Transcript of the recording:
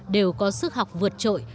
đều có sức học vượt trội